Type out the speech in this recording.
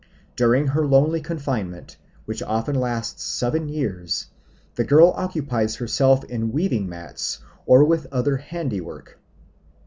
During her lonely confinement, which often lasts seven years, the girl occupies herself in weaving mats or with other handiwork.